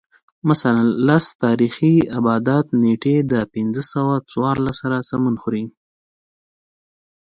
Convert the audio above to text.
مثلاً لس تاریخي آبدات نېټې د پنځه سوه څوارلس سره سمون خوري